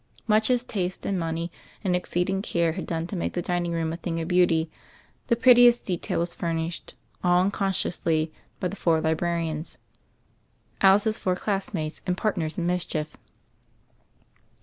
Much as taste and money and exceeding care had done to make the dining room a thing of beauty, the prettiest detail was furnished, all unconsciously, by the four librarians, Alice's four classmates and part ners in mischief.